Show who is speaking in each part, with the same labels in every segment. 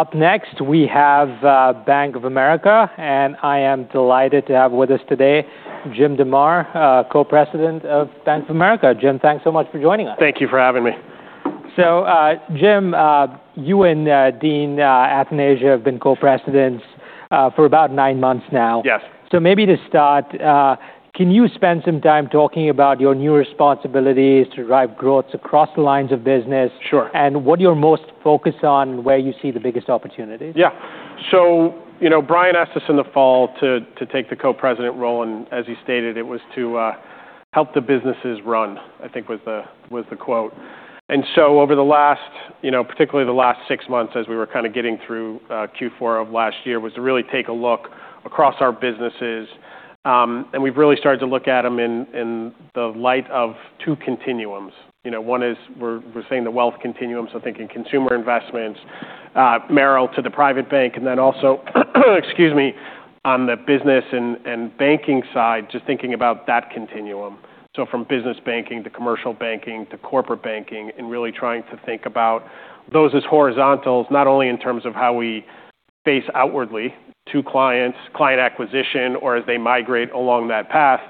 Speaker 1: Up next, we have Bank of America, and I am delighted to have with us today Jim DeMare, Co-President of Bank of America. Jim, thanks so much for joining us.
Speaker 2: Thank you for having me.
Speaker 1: Jim, you and Dean Athanasia have been Co-Presidents for about nine months now.
Speaker 2: Yes.
Speaker 1: Maybe to start, can you spend some time talking about your new responsibilities to drive growth across the lines of business?
Speaker 2: Sure.
Speaker 1: What you're most focused on, where you see the biggest opportunities?
Speaker 2: Yeah. Brian asked us in the fall to take the Co-President role, as he stated, it was to help the businesses run, I think was the quote. Particularly the last six months as we were kind of getting through Q4 of last year, was to really take a look across our businesses. We've really started to look at them in the light of two continuums. One is we're saying the wealth continuum, so thinking consumer investments, Merrill to the private bank, then also on the business and banking side, just thinking about that continuum. So from business banking to commercial banking to corporate banking, really trying to think about those as horizontals, not only in terms of how we face outwardly to clients, client acquisition, or as they migrate along that path.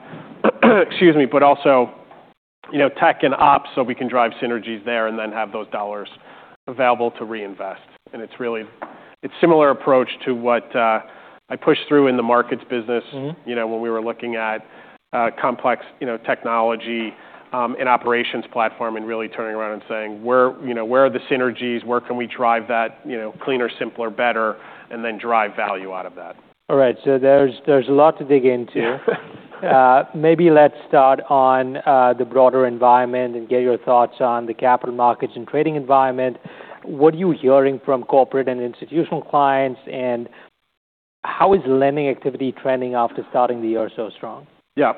Speaker 2: Also tech and ops, so we can drive synergies there then have those dollars available to reinvest. It's similar approach to what I pushed through in the markets business when we were looking at complex technology and operations platform and really turning around and saying, "Where are the synergies? Where can we drive that cleaner, simpler, better?" Then drive value out of that.
Speaker 1: All right. There's a lot to dig into.
Speaker 2: Yeah.
Speaker 1: Maybe let's start on the broader environment and get your thoughts on the capital markets and trading environment. What are you hearing from corporate and institutional clients, and how is lending activity trending after starting the year so strong?
Speaker 2: Yeah.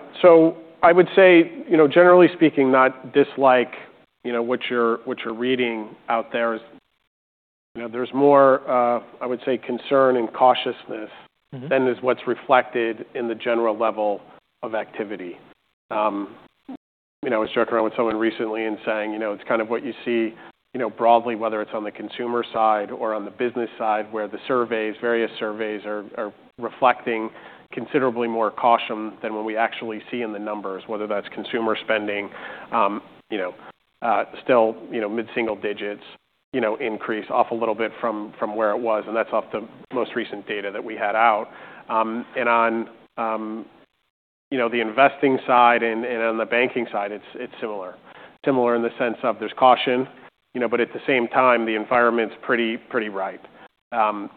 Speaker 2: I would say, generally speaking, not unlike what you're reading out there. There's more, I would say, concern and cautiousness. Than is what's reflected in the general level of activity. I was joking around with someone recently and saying it's kind of what you see broadly, whether it's on the consumer side or on the business side, where the surveys, various surveys, are reflecting considerably more caution than what we actually see in the numbers, whether that's consumer spending, still mid-single digits increase off a little bit from where it was, and that's off the most recent data that we had out. On the investing side and on the banking side, it's similar. Similar in the sense of there's caution, but at the same time, the environment's pretty ripe.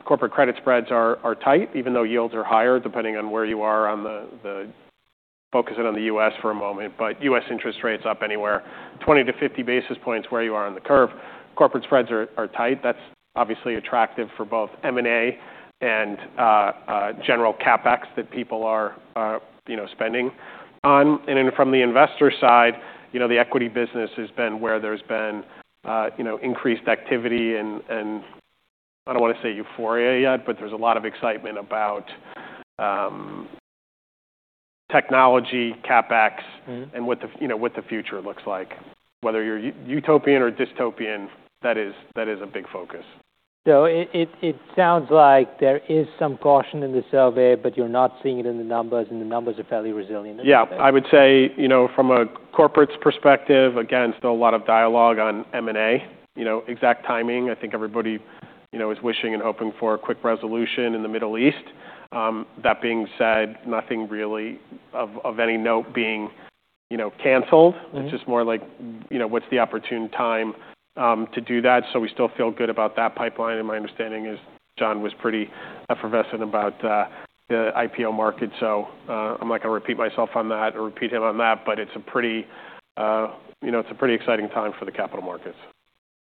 Speaker 2: Corporate credit spreads are tight, even though yields are higher, depending on where you are focusing on the U.S. for a moment, but U.S. interest rates up anywhere 20 to 50 basis points where you are on the curve. Corporate spreads are tight. That's obviously attractive for both M&A and general CapEx that people are spending on. From the investor side, the equity business has been where there's been increased activity, and I don't want to say euphoria yet, but there's a lot of excitement about technology CapEx What the future looks like. Whether you're utopian or dystopian, that is a big focus.
Speaker 1: It sounds like there is some caution in the survey, but you're not seeing it in the numbers, and the numbers are fairly resilient in that sense.
Speaker 2: Yeah. I would say, from a corporate's perspective, again, still a lot of dialogue on M&A. Exact timing, I think everybody is wishing and hoping for a quick resolution in the Middle East. That being said, nothing really of any note being canceled. It's just more like, what's the opportune time to do that? We still feel good about that pipeline, and my understanding is John was pretty effervescent about the IPO market. I'm not going to repeat myself on that, or repeat him on that, but it's a pretty exciting time for the capital markets.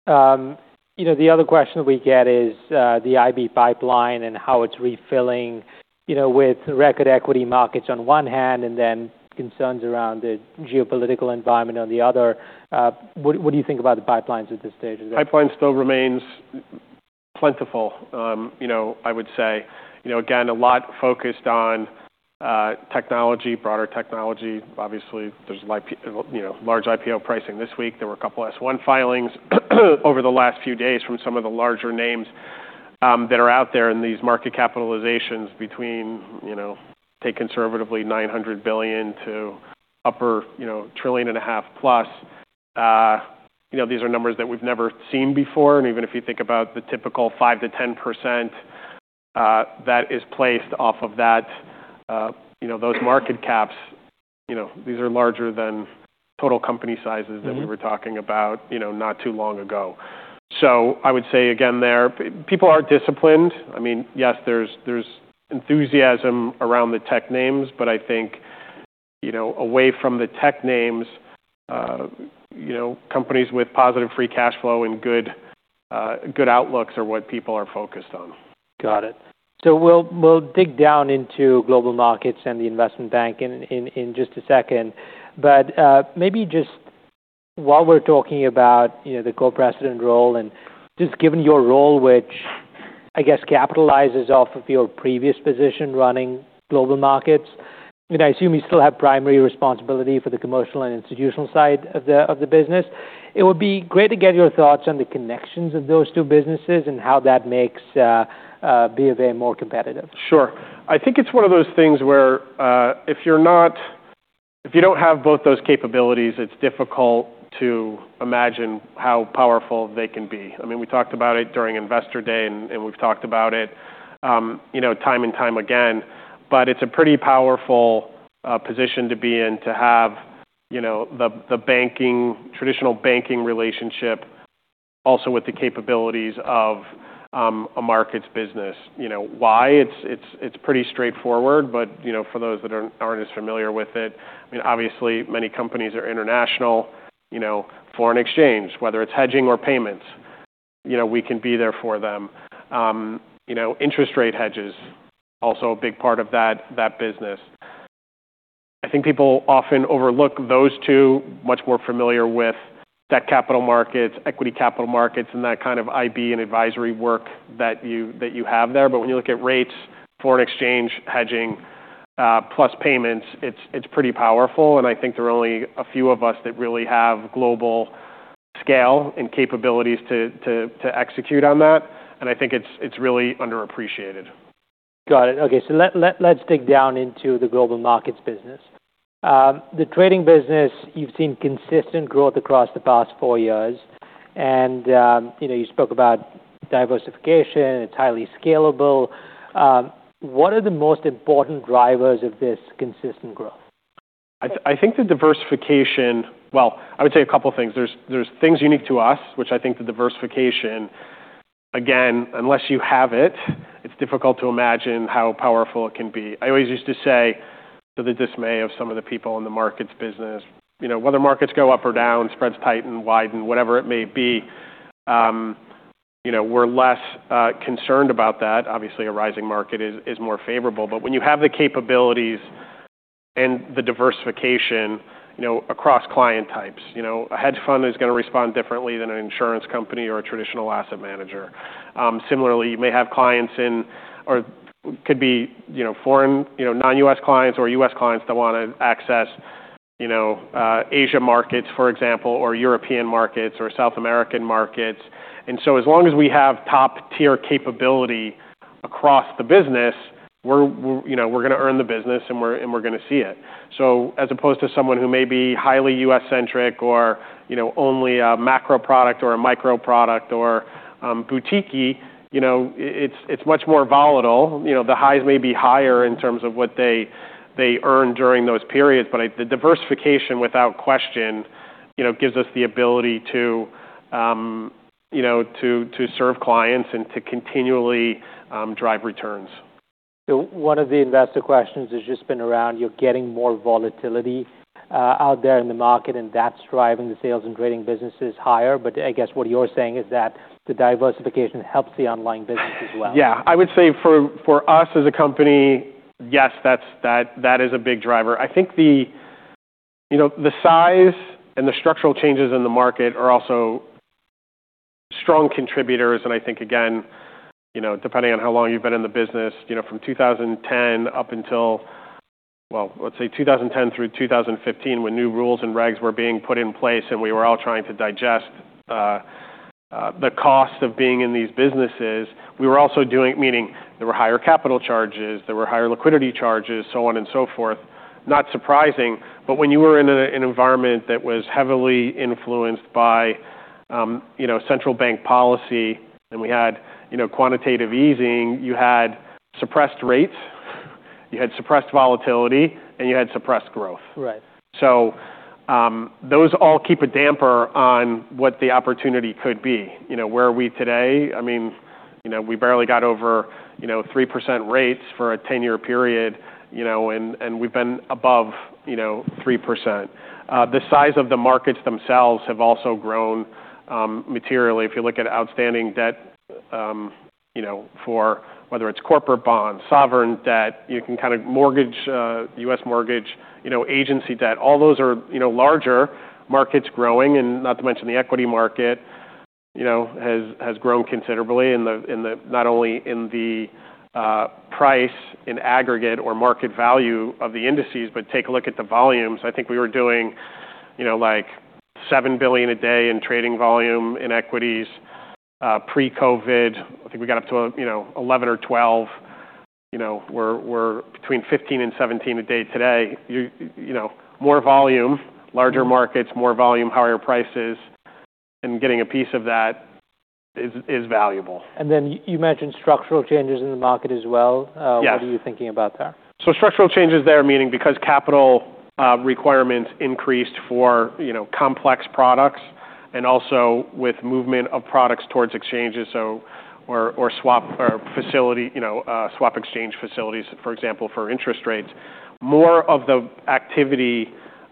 Speaker 1: The other question we get is the IB pipeline and how it's refilling, with record equity markets on one hand, and then concerns around the geopolitical environment on the other. What do you think about the pipelines at this stage?
Speaker 2: Pipeline still remains plentiful, I would say. Again, a lot focused on technology, broader technology. Obviously, there's large IPO pricing this week. There were a couple S1 filings over the last few days from some of the larger names that are out there in these market capitalizations between, say conservatively $900 billion to upper $1.5 trillion+. These are numbers that we've never seen before, and even if you think about the typical 5%-10% that is placed off of that, those market caps, these are larger than total company sizes that we were talking about not too long ago. I would say again there, people are disciplined. Yes, there's enthusiasm around the tech names, but I think away from the tech names, companies with positive free cash flow and good outlooks are what people are focused on.
Speaker 1: Got it. We'll dig down into Global Markets and the Investment Bank in just a second. Maybe just while we're talking about the Co-President role, and just given your role, which I guess capitalizes off of your previous position running Global Markets. I assume you still have primary responsibility for the commercial and institutional side of the business. It would be great to get your thoughts on the connections of those two businesses and how that makes BofA more competitive.
Speaker 2: Sure. I think it's one of those things where if you don't have both those capabilities, it's difficult to imagine how powerful they can be. We talked about it during Investor Day, we've talked about it time and time again. It's a pretty powerful position to be in to have the traditional banking relationship also with the capabilities of a markets business. Why? It's pretty straightforward, but for those that aren't as familiar with it, obviously many companies are international. Foreign exchange, whether it's hedging or payments, we can be there for them. Interest rate hedges, also a big part of that business. I think people often overlook those two, much more familiar with debt capital markets, equity capital markets, and that kind of IB and advisory work that you have there. When you look at rates, foreign exchange hedging, plus payments, it's pretty powerful. I think there are only a few of us that really have global scale and capabilities to execute on that. I think it's really underappreciated.
Speaker 1: Got it. Okay, let's dig down into the Global Markets business. The trading business, you've seen consistent growth across the past four years. You spoke about diversification. It's highly scalable. What are the most important drivers of this consistent growth?
Speaker 2: I would say a couple of things. There are things unique to us, which I think the diversification, again, unless you have it is difficult to imagine how powerful it can be. I always used to say, to the dismay of some of the people in the markets business, whether markets go up or down, spreads tighten, widen, whatever it may be, we are less concerned about that. Obviously, a rising market is more favorable. When you have the capabilities and the diversification across client types. A hedge fund is going to respond differently than an insurance company or a traditional asset manager. Similarly, you may have clients, or could be foreign, non-U.S. clients or U.S. clients that want to access Asia markets, for example, or European markets, or South American markets. As long as we have top-tier capability across the business, we are going to earn the business, and we are going to see it. As opposed to someone who may be highly U.S.-centric or only a macro product or a micro product or boutiquey, it is much more volatile. The highs may be higher in terms of what they earn during those periods. The diversification without question gives us the ability to serve clients and to continually drive returns.
Speaker 1: One of the investor questions has just been around you getting more volatility out there in the market, and that is driving the sales and trading businesses higher. I guess what you are saying is that the diversification helps the online business as well.
Speaker 2: Yeah. I would say for us as a company, yes, that is a big driver. I think the size and the structural changes in the market are also strong contributors, and I think, again, depending on how long you have been in the business, from 2010 up until, let's say 2010 through 2015, when new rules and regs were being put in place, and we were all trying to digest the cost of being in these businesses. We were also doing, meaning there were higher capital charges, there were higher liquidity charges, so on and so forth. Not surprising. When you were in an environment that was heavily influenced by central bank policy, and we had quantitative easing, you had suppressed rates, you had suppressed volatility, and you had suppressed growth.
Speaker 1: Right.
Speaker 2: Those all keep a damper on what the opportunity could be. Where are we today? We barely got over 3% rates for a 10-year period, and we've been above 3%. The size of the markets themselves have also grown materially. If you look at outstanding debt for whether it's corporate bonds, sovereign debt, U.S. mortgage agency debt. All those are larger markets growing, and not to mention the equity market has grown considerably not only in the price in aggregate or market value of the indices, but take a look at the volumes. I think we were doing like $7 billion a day in trading volume in equities pre-COVID. I think we got up to $11 billion or $12 billion, we're between $15 billion and $17 billion a day today. Larger markets, more volume, higher prices, and getting a piece of that is valuable.
Speaker 1: You mentioned structural changes in the market as well. What are you thinking about there?
Speaker 2: Structural changes there meaning because capital requirements increased for complex products and also with movement of products towards exchanges, or swap execution facilities, for example, for interest rates. More of the activity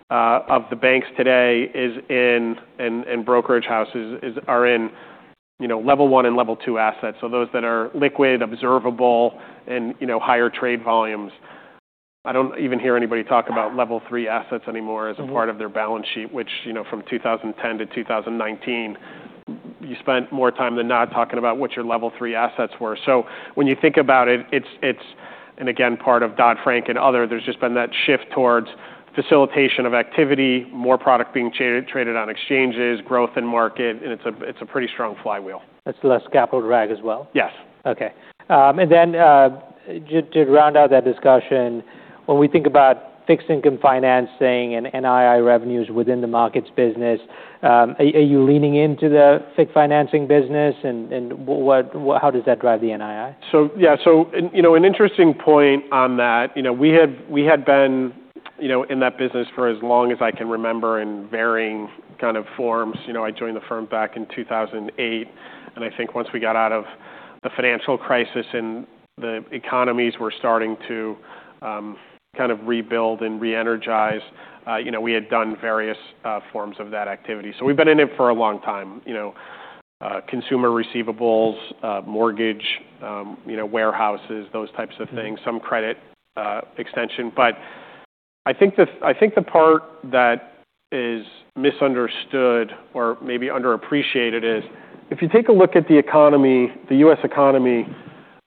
Speaker 2: of the banks today and brokerage houses are in Level 1 and Level 2 assets. Those that are liquid, observable, and higher trade volumes. I don't even hear anybody talk about Level 3 assets anymore as a part of their balance sheet, which from 2010 to 2019. You spent more time than not talking about what your Level 3 assets were. When you think about it, and again, part of Dodd-Frank and other, there's just been that shift towards facilitation of activity, more product being traded on exchanges, growth in market, and it's a pretty strong flywheel.
Speaker 1: That's less capital drag as well?
Speaker 2: Yes.
Speaker 1: Okay. To round out that discussion, when we think about fixed income financing and NII revenues within the markets business, are you leaning into the FICC financing business and how does that drive the NII?
Speaker 2: Yeah. An interesting point on that, we had been in that business for as long as I can remember in varying kind of forms. I joined the firm back in 2008, I think once we got out of the financial crisis and the economies were starting to kind of rebuild and re-energize, we had done various forms of that activity. We've been in it for a long time. Consumer receivables, mortgage, warehouses, those types of things. Some credit extension. I think the part that is misunderstood or maybe underappreciated is, if you take a look at the economy, the U.S. economy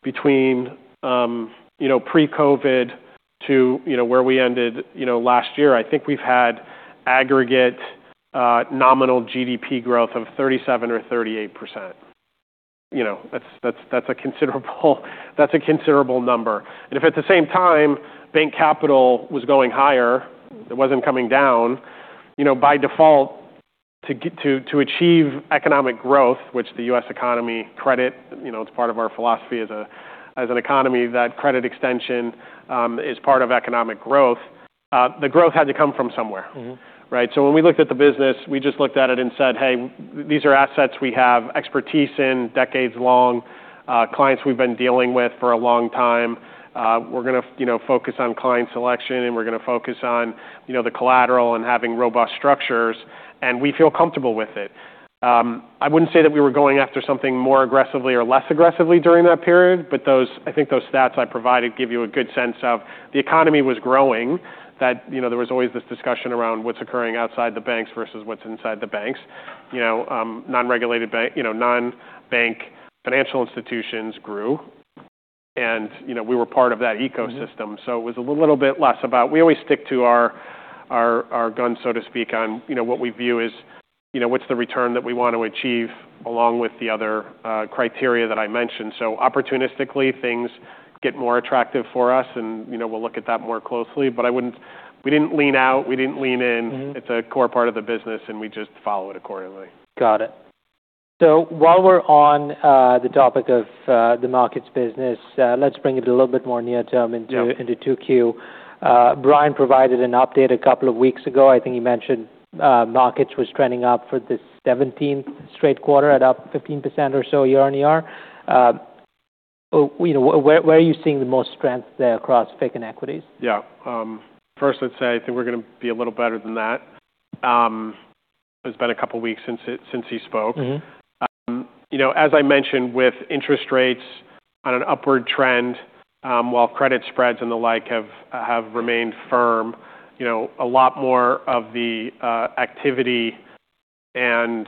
Speaker 2: between pre-COVID to where we ended last year, I think we've had aggregate nominal GDP growth of 37% or 38%. That's a considerable number. If at the same time bank capital was going higher, it wasn't coming down, by default to achieve economic growth, which the U.S. economy credit, it's part of our philosophy as an economy, that credit extension is part of economic growth. The growth had to come from somewhere, right? When we looked at the business, we just looked at it and said, "Hey, these are assets we have expertise in, decades long, clients we've been dealing with for a long time. We're going to focus on client selection, and we're going to focus on the collateral and having robust structures, and we feel comfortable with it. I wouldn't say that we were going after something more aggressively or less aggressively during that period, I think those stats I provided give you a good sense of the economy was growing, that there was always this discussion around what's occurring outside the banks versus what's inside the banks. Non-bank financial institutions grew, we were part of that ecosystem, it was a little bit less about We always stick to our guns, so to speak, on what we view is what's the return that we want to achieve along with the other criteria that I mentioned. Opportunistically things get more attractive for us, we'll look at that more closely, we didn't lean out, we didn't lean in. It's a core part of the business, we just follow it accordingly.
Speaker 1: Got it. While we're on the topic of the markets business, let's bring it a little bit more near term into 2Q. Brian provided an update a couple of weeks ago. I think he mentioned markets was trending up for the 17th straight quarter at up 15% or so year-on-year. Where are you seeing the most strength there across FICC and equities?
Speaker 2: Yeah. First, I think we're going to be a little better than that. It's been a couple of weeks since he spoke. As I mentioned, with interest rates on an upward trend, while credit spreads and the like have remained firm, a lot more of the activity and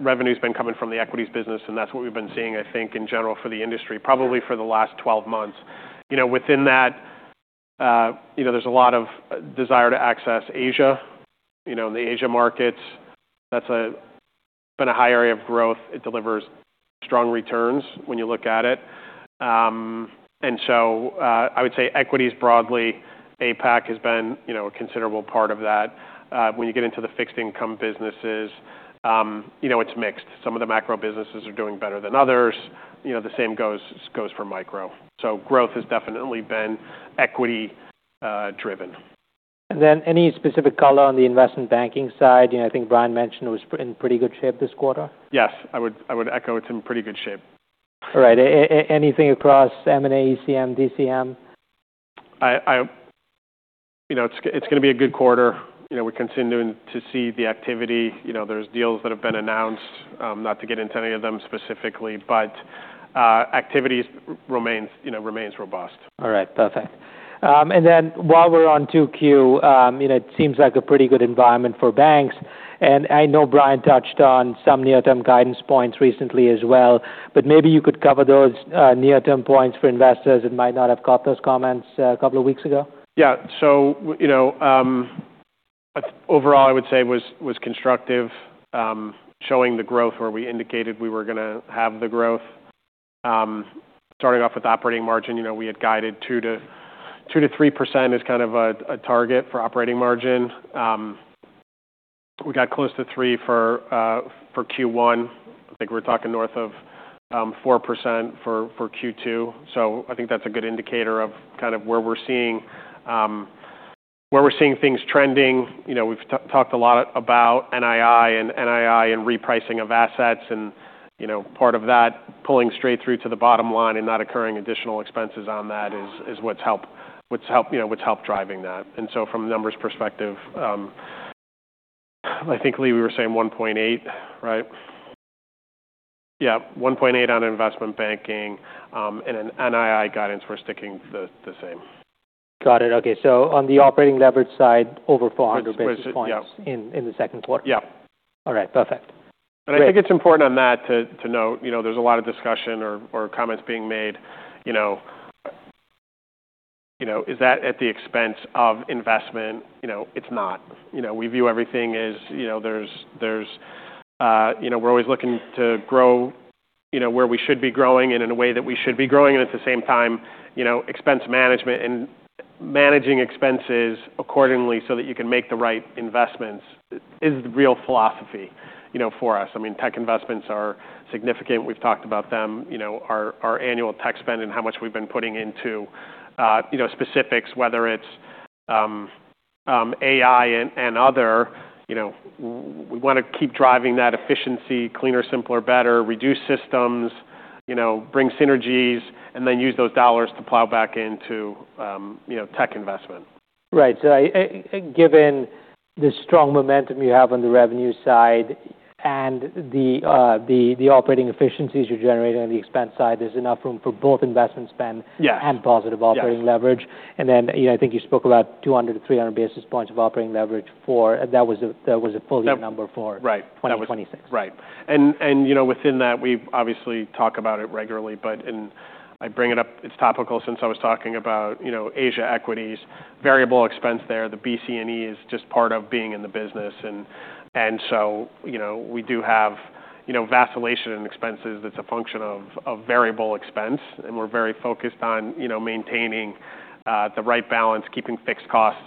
Speaker 2: revenue's been coming from the equities business. That's what we've been seeing, I think, in general for the industry, probably for the last 12 months. Within that there's a lot of desire to access Asia, in the Asia markets. That's been a high area of growth. It delivers strong returns when you look at it. I would say equities broadly, APAC has been a considerable part of that. When you get into the fixed income businesses, it's mixed. Some of the macro businesses are doing better than others. The same goes for micro. Growth has definitely been equity driven.
Speaker 1: Any specific color on the investment banking side? I think Brian mentioned it was in pretty good shape this quarter.
Speaker 2: Yes. I would echo it's in pretty good shape.
Speaker 1: All right. Anything across M&A, ECM, DCM?
Speaker 2: It's going to be a good quarter. We're continuing to see the activity. There's deals that have been announced, not to get into any of them specifically, but activity remains robust.
Speaker 1: All right. Perfect. While we're on 2Q, it seems like a pretty good environment for banks, I know Brian touched on some near-term guidance points recently as well, but maybe you could cover those near-term points for investors that might not have caught those comments a couple of weeks ago.
Speaker 2: Yeah. Overall, I would say was constructive, showing the growth where we indicated we were going to have the growth. Starting off with operating leverage, we had guided 2%-3% as kind of a target for operating leverage. We got close to 3% for Q1. I think we're talking north of 4% for Q2. I think that's a good indicator of kind of where we're seeing things trending. We've talked a lot about NII and repricing of assets, part of that pulling straight through to the bottom line and not occurring additional expenses on that is what's helped driving that. From a numbers perspective, I think, Lee, we were saying 1.8%, right? Yeah, 1.8% on investment banking, NII guidance, we're sticking the same.
Speaker 1: Got it. Okay. On the operating leverage side, over 400 basis points in the second quarter.
Speaker 2: Yeah.
Speaker 1: All right, perfect. Great.
Speaker 2: I think it's important on that to note, there's a lot of discussion or comments being made. Is that at the expense of investment? It's not. We view everything as we're always looking to grow where we should be growing and in a way that we should be growing. At the same time, expense management and managing expenses accordingly so that you can make the right investments is the real philosophy for us. Tech investments are significant. We've talked about them, our annual tech spend and how much we've been putting into specifics, whether it's AI and other. We want to keep driving that efficiency, cleaner, simpler, better, reduce systems, bring synergies, and then use those dollars to plow back into tech investment.
Speaker 1: Right. Given the strong momentum you have on the revenue side and the operating efficiencies you're generating on the expense side, there's enough room for both investment spend positive operating leverage. I think you spoke about 200 to 300 basis points of operating leverage. That was a full year number for 2026.
Speaker 2: Right. Within that, we obviously talk about it regularly. I bring it up, it's topical since I was talking about Asia equities, variable expense there. The BC&E is just part of being in the business. We do have vacillation in expenses that's a function of variable expense. We're very focused on maintaining the right balance, keeping fixed costs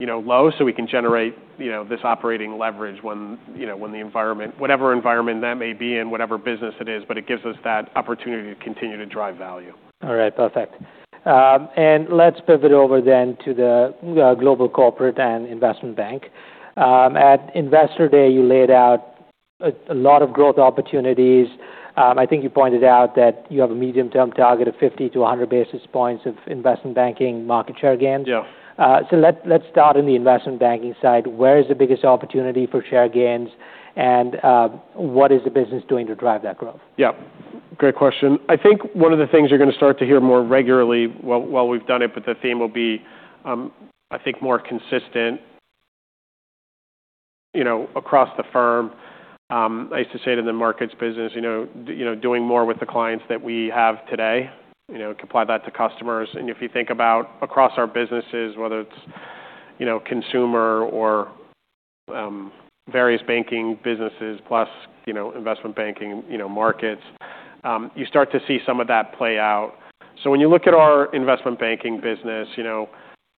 Speaker 2: low so we can generate this operating leverage whatever environment that may be in, whatever business it is. It gives us that opportunity to continue to drive value.
Speaker 1: Let's pivot over then to the Global Corporate & Investment Banking. At Investor Day, you laid out a lot of growth opportunities. I think you pointed out that you have a medium-term target of 50 to 100 basis points of investment banking market share gains.
Speaker 2: Yeah.
Speaker 1: Let's start on the investment banking side. Where is the biggest opportunity for share gains, and what is the business doing to drive that growth?
Speaker 2: Great question. I think one of the things you're going to start to hear more regularly, while we've done it, but the theme will be, I think, more consistent across the firm. I used to say to the markets business, doing more with the clients that we have today. Can apply that to customers. If you think about across our businesses, whether it's consumer or various banking businesses, plus investment banking markets, you start to see some of that play out. When you look at our investment banking business, we've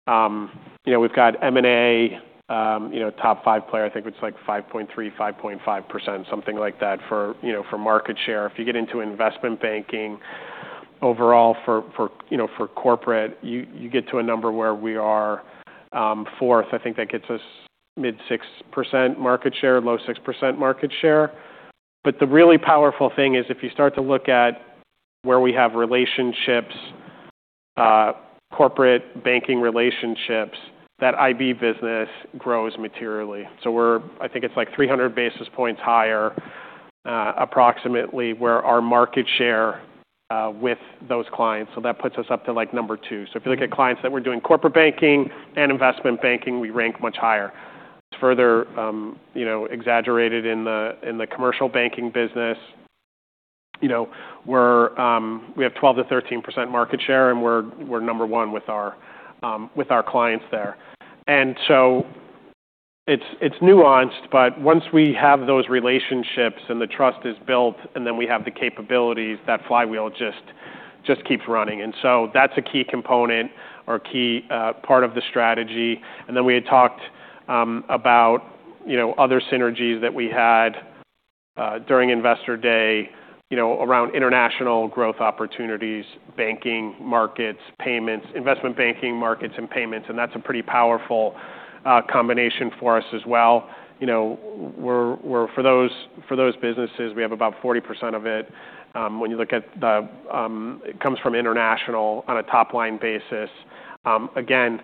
Speaker 2: got M&A, top five player. I think it's like 5.3%-5.5%, something like that for market share. If you get into investment banking overall for corporate, you get to a number where we are fourth. I think that gets us mid 6% market share, low 6% market share. The really powerful thing is if you start to look at where we have relationships, corporate banking relationships, that IB business grows materially. I think it's like 300 basis points higher, approximately where our market share with those clients. That puts us up to number two. If you look at clients that we're doing corporate banking and investment banking, we rank much higher. It's further exaggerated in the commercial banking business. We have 12%-13% market share, and we're number one with our clients there. It's nuanced, but once we have those relationships and the trust is built, and then we have the capabilities, that flywheel just keeps running. That's a key component or key part of the strategy. We had talked about other synergies that we had during Investor Day around international growth opportunities, banking markets, payments, investment banking markets and payments. That's a pretty powerful combination for us as well. For those businesses, we have about 40% of it. When you look at it comes from international on a top-line basis. Again,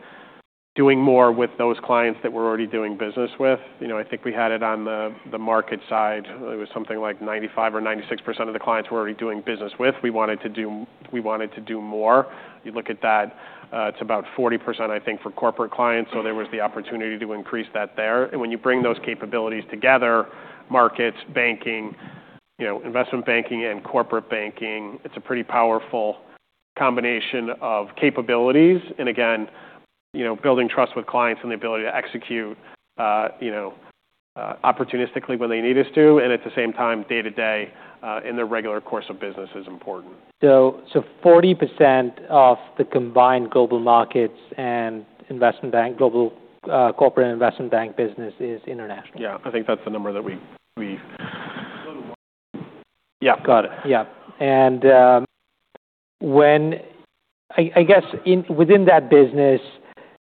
Speaker 2: doing more with those clients that we're already doing business with. I think we had it on the market side. It was something like 95% or 96% of the clients we're already doing business with. We wanted to do more. You look at that, it's about 40%, I think, for corporate clients. There was the opportunity to increase that there. When you bring those capabilities together, markets, banking, investment banking and corporate banking, it's a pretty powerful combination of capabilities. Again, building trust with clients and the ability to execute opportunistically when they need us to, and at the same time, day-to-day in the regular course of business is important.
Speaker 1: 40% of the combined Global Markets and Global Corporate & Investment Banking business is international.
Speaker 2: I think that's the number that we.
Speaker 1: Got it. Yeah. I guess within that business,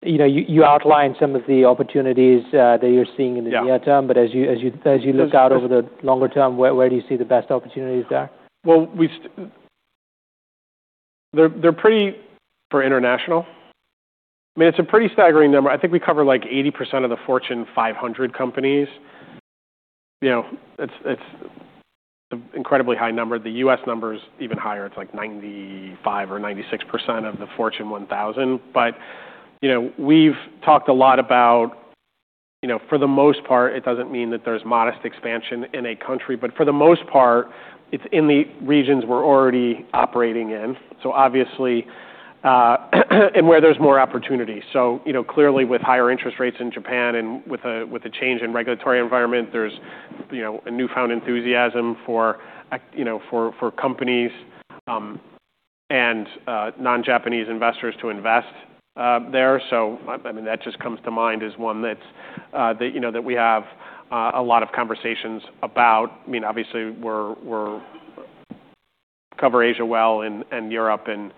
Speaker 1: you outlined some of the opportunities that you're seeing in the near term. As you look out over the longer term, where do you see the best opportunities there?
Speaker 2: Well, they're pretty for international. It's a pretty staggering number. I think we cover 80% of the Fortune 500 companies. It's an incredibly high number. The U.S. number's even higher. It's like 95% or 96% of the Fortune 1000. We've talked a lot about, for the most part, it doesn't mean that there's modest expansion in a country, for the most part, it's in the regions we're already operating in, obviously, and where there's more opportunity. Clearly with higher interest rates in Japan and with the change in regulatory environment, there's a newfound enthusiasm for companies and non-Japanese investors to invest there. That just comes to mind as one that we have a lot of conversations about. Obviously we cover Asia well and Europe and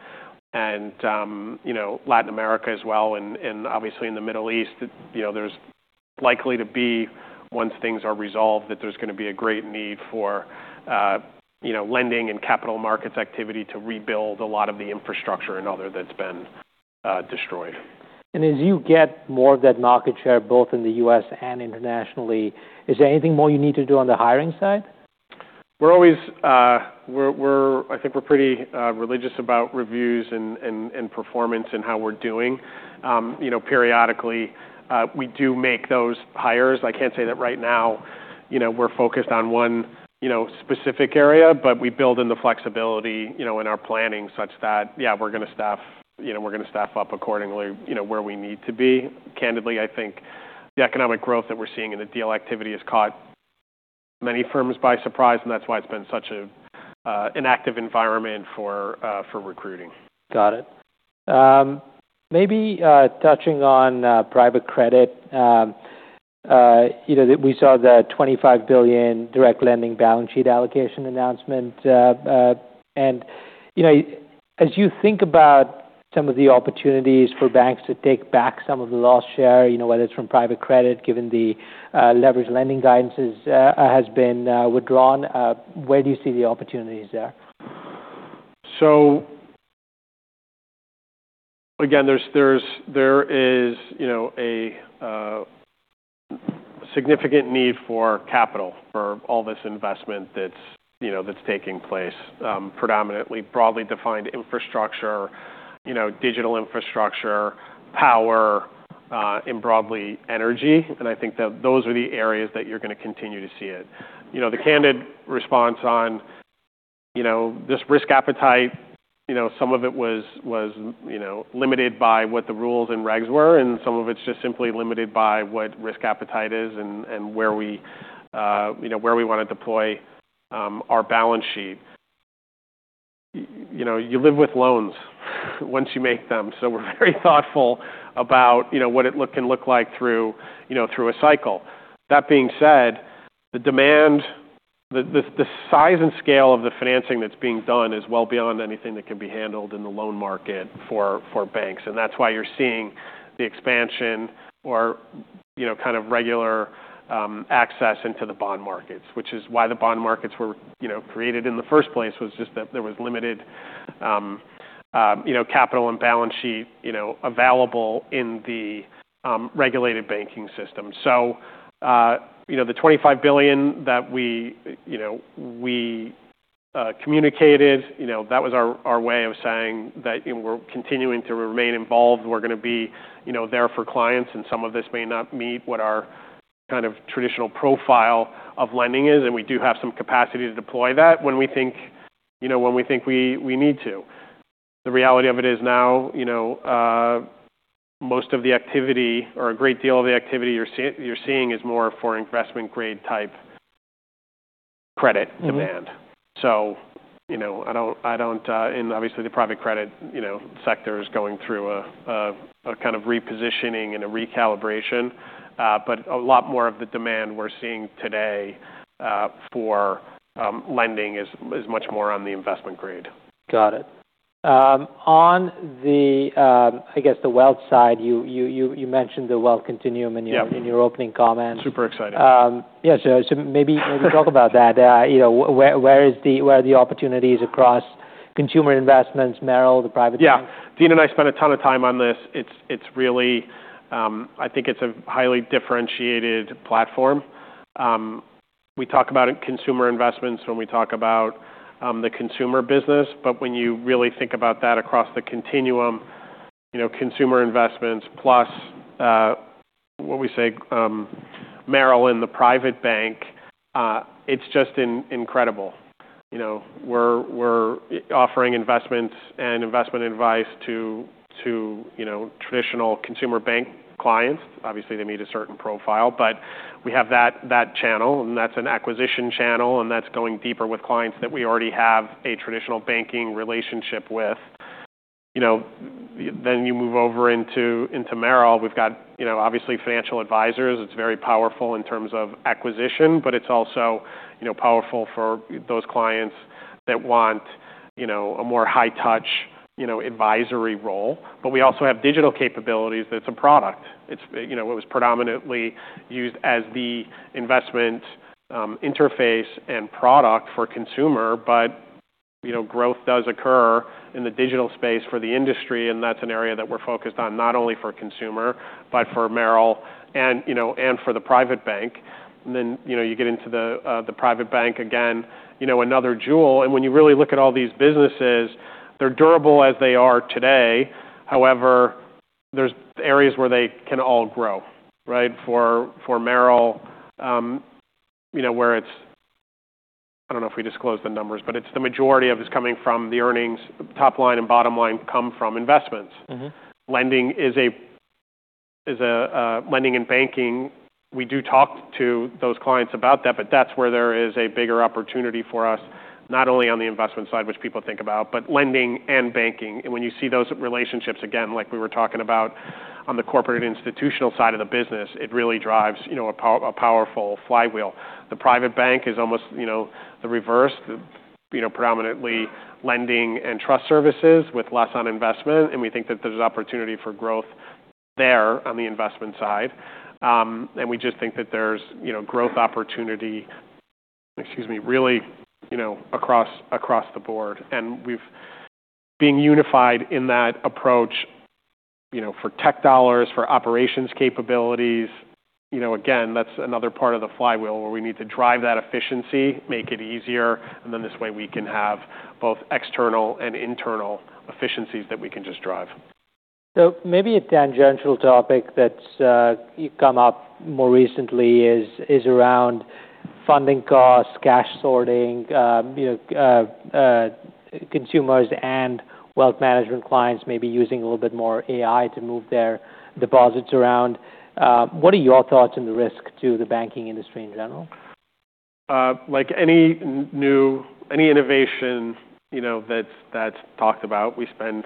Speaker 2: Latin America as well, and obviously in the Middle East. There's likely to be, once things are resolved, that there's going to be a great need for lending and capital markets activity to rebuild a lot of the infrastructure and other that's been destroyed.
Speaker 1: As you get more of that market share, both in the U.S. and internationally, is there anything more you need to do on the hiring side?
Speaker 2: I think we're pretty religious about reviews and performance and how we're doing. Periodically, we do make those hires. I can't say that right now we're focused on one specific area, but we build in the flexibility in our planning such that, yeah, we're going to staff up accordingly where we need to be. Candidly, I think the economic growth that we're seeing and the deal activity has caught many firms by surprise, and that's why it's been such an active environment for recruiting.
Speaker 1: Got it. Maybe touching on private credit. We saw the $25 billion direct lending balance sheet allocation announcement. As you think about some of the opportunities for banks to take back some of the lost share, whether it's from private credit, given the leveraged lending guidance has been withdrawn, where do you see the opportunities there?
Speaker 2: Again, there is a significant need for capital for all this investment that's taking place. Predominantly broadly defined infrastructure, digital infrastructure, power, and broadly energy, and I think that those are the areas that you're going to continue to see it. The candid response on this risk appetite, some of it was limited by what the rules and regs were, and some of it's just simply limited by what risk appetite is and where we want to deploy our balance sheet. You live with loans once you make them, so we're very thoughtful about what it can look like through a cycle. That being said, the demand, the size and scale of the financing that's being done is well beyond anything that can be handled in the loan market for banks. That's why you're seeing the expansion or kind of regular access into the bond markets, which is why the bond markets were created in the first place was just that there was limited capital and balance sheet available in the regulated banking system. The $25 billion that we communicated, that was our way of saying that we're continuing to remain involved. We're going to be there for clients, and some of this may not meet what our kind of traditional profile of lending is, and we do have some capacity to deploy that when we think we need to. The reality of it is now most of the activity or a great deal of the activity you're seeing is more for investment-grade type credit demand. Obviously the private credit sector is going through a kind of repositioning and a recalibration. A lot more of the demand we're seeing today for lending is much more on the investment grade.
Speaker 1: Got it. On the, I guess the wealth side, you mentioned the wealth continuum in your opening comments.
Speaker 2: Super exciting.
Speaker 1: Yeah. Maybe talk about that. Where are the opportunities across consumer investments, Merrill, the private bank?
Speaker 2: Yeah. Dean and I spend a ton of time on this. I think it's a highly differentiated platform. We talk about consumer investments when we talk about the consumer business, but when you really think about that across the continuum, consumer investments plus what we say, Merrill and the private bank, it's just incredible. We're offering investments and investment advice to traditional consumer bank clients. Obviously they meet a certain profile, but we have that channel, and that's an acquisition channel, and that's going deeper with clients that we already have a traditional banking relationship with. You move over into Merrill. We've got obviously financial advisors. It's very powerful in terms of acquisition, but it's also powerful for those clients that want a more high touch advisory role. We also have digital capabilities that's a product. It was predominantly used as the investment interface and product for consumer. Growth does occur in the digital space for the industry, and that's an area that we're focused on, not only for consumer, but for Merrill and for the private bank. You get into the private bank again, another jewel. When you really look at all these businesses, they're durable as they are today. However, there's areas where they can all grow. For Merrill, I don't know if we disclosed the numbers, but it's the majority of it is coming from the earnings. Top line and bottom line come from investments. Lending and banking, we do talk to those clients about that, but that's where there is a bigger opportunity for us, not only on the investment side, which people think about, but lending and banking. When you see those relationships, again, like we were talking about on the corporate institutional side of the business, it really drives a powerful flywheel. The Private Bank is almost the reverse. Prominently lending and trust services with less on investment, and we think that there's opportunity for growth there on the investment side. We just think that there's growth opportunity, excuse me, really across the board. Being unified in that approach, for tech dollars, for operations capabilities, again, that's another part of the flywheel where we need to drive that efficiency, make it easier, and then this way we can have both external and internal efficiencies that we can just drive.
Speaker 1: Maybe a tangential topic that's come up more recently is around funding costs, cash sorting, consumers and wealth management clients maybe using a little bit more AI to move their deposits around. What are your thoughts on the risk to the banking industry in general?
Speaker 2: Like any innovation that's talked about, we spend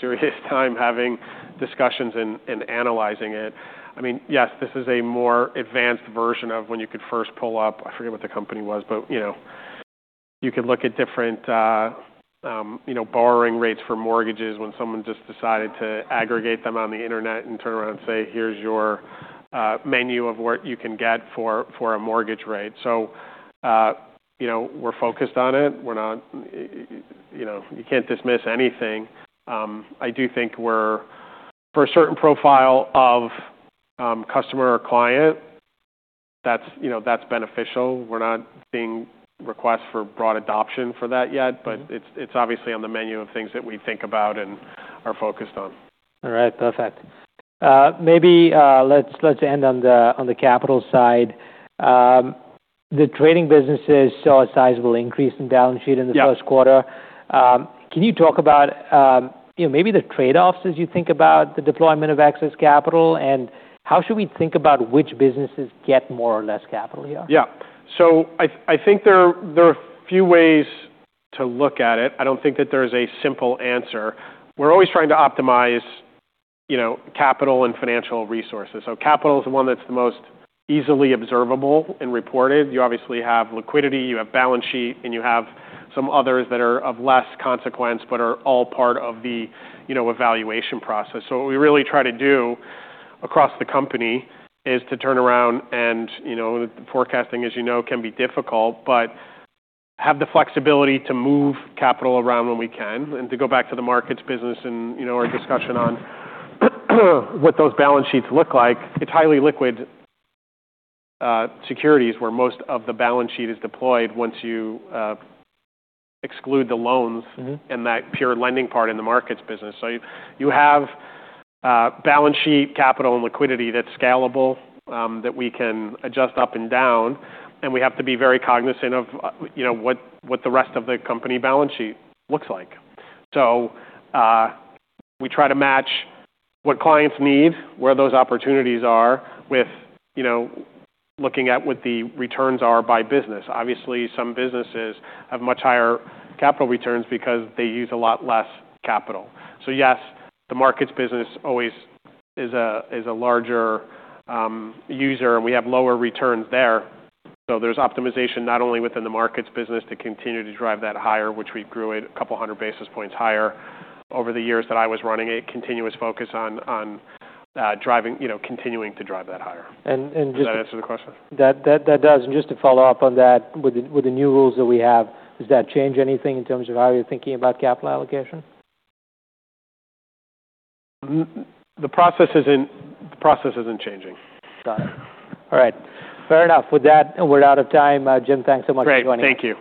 Speaker 2: serious time having discussions and analyzing it. Yes, this is a more advanced version of when you could first pull up, I forget what the company was. You could look at different borrowing rates for mortgages when someone just decided to aggregate them on the internet and turn around and say, "Here's your menu of what you can get for a mortgage rate." We're focused on it. You can't dismiss anything. I do think for a certain profile of customer or client, that's beneficial. We're not seeing requests for broad adoption for that yet. It's obviously on the menu of things that we think about and are focused on.
Speaker 1: All right. Perfect. Maybe let's end on the capital side. The trading businesses saw a sizable increase in balance sheet in the first quarter. Can you talk about maybe the trade-offs as you think about the deployment of excess capital, and how should we think about which businesses get more or less capital here?
Speaker 2: Yeah. I think there are a few ways to look at it. I don't think that there's a simple answer. We're always trying to optimize capital and financial resources. Capital is the one that's the most easily observable and reported. You obviously have liquidity, you have balance sheet, and you have some others that are of less consequence, but are all part of the evaluation process. What we really try to do across the company is to turn around and, forecasting as you know, can be difficult, but have the flexibility to move capital around when we can. To go back to the markets business and our discussion on what those balance sheets look like, it's highly liquid securities where most of the balance sheet is deployed once you exclude the loans, that pure lending part in the markets business. You have balance sheet capital and liquidity that's scalable, that we can adjust up and down, and we have to be very cognizant of what the rest of the company balance sheet looks like. We try to match what clients need, where those opportunities are with looking at what the returns are by business. Obviously, some businesses have much higher capital returns because they use a lot less capital. Yes, the markets business always is a larger user, and we have lower returns there. There's optimization not only within the markets business to continue to drive that higher, which we grew it a couple of 100 basis points higher over the years that I was running it. Continuous focus on continuing to drive that higher. Does that answer the question?
Speaker 1: That does. Just to follow up on that, with the new rules that we have, does that change anything in terms of how you're thinking about capital allocation?
Speaker 2: The process isn't changing.
Speaker 1: Got it. All right. Fair enough. With that, we're out of time. Jim, thanks so much for joining.
Speaker 2: Great. Thank you.